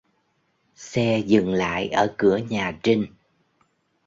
Xe dừng lại ở cửa nhà Trinh